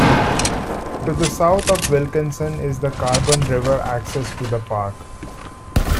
To the south of Wilkeson is the Carbon River access to the Park.